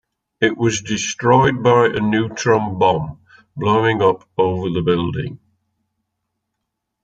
It was destroyed by a neutron bomb blowing up over the building.